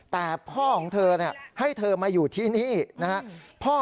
แต่พ่อของเธอให้เธอมาอยู่ที่นี่นะครับ